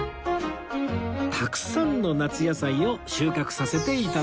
たくさんの夏野菜を収穫させて頂きました